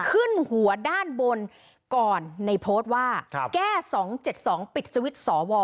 ขึ้นหัวด้านบนก่อนในโพสต์ว่าครับแก้สองเจ็ดสองปิดสวิตส์สอวอ